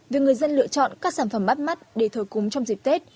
vì người dân lựa chọn các sản phẩm mắt mắt để thờ cúng trong dịp tết